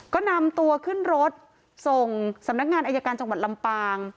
ก็นำตัวขึ้นรถส่งสำนักงานอายการจังหวัดลำปาง